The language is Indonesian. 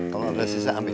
kalau ada sisa ambil